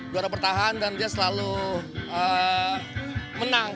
juara bertahan dan dia selalu menang